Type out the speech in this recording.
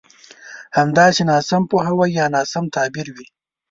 همداسې ناسم پوهاوی يا ناسم تعبير وي.